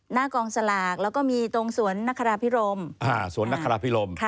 หน้ากองสลากแล้วก็มีสวนนครพิโรม